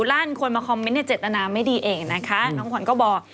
ลั่นคนมาคอมเมนต์ในเจตนาไม่ดีเองนะคะน้องขวัญก็บอก